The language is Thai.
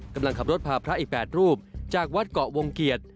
กำลังขับรถพาพระอีก๘รูปจากวัดเกาะวงเกียรติ